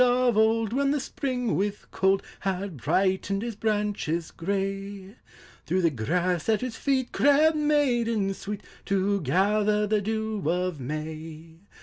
221 In the days of old, when the spring with cold Had brightened his brandies gray, Through the grass at his feet crept maidens sweet, To gather the dew of May.